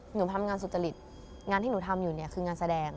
หนูทำงานสุจริตงานที่หนูทำอยู่เนี่ยคืองานแสดง